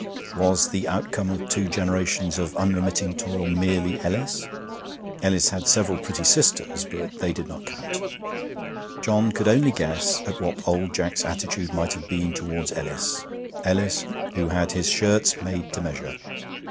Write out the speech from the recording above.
Was the outcome of two generations of unremitting toil merely Ellis? (Ellis had several pretty sisters, but they did not count.) John could only guess at what old Jack's attitude might have been towards Ellis Ellis, who had his shirts made to measure.